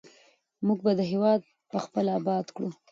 موږ به دا هېواد پخپله اباد کړو.